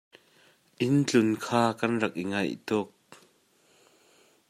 Inn tlun kha kan rak i ngaih tuk.